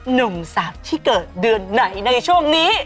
หนุ่มสาวที่เกิดเดือนไหนในช่วงนี้